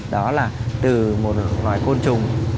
đó là từ một loại côn trùng